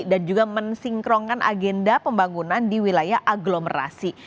dan juga mensinkronkan agenda pembangunan di wilayah agglomerasi